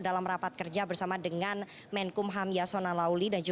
dalam rapat kerja bersama dengan menkumham yasona lauli